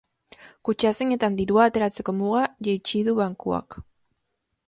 Kutxazainetan dirua ateratzeko muga jaitsi du bankuak.